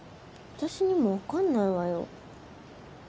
私にも分かんないわよ